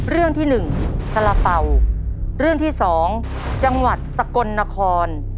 เรื่องที่หนึ่งสละเป๋าเรื่องที่สองจังหวัดสกลนคร